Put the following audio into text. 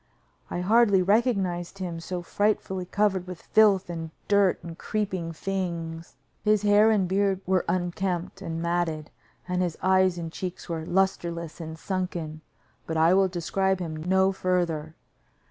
I hardly recognized him, he was so frightfully covered with filth and dirt and creeping things. His hair and beard were unkempt and matted, and his eyes and cheeks were lusterless and sunken; but I will describe him no further.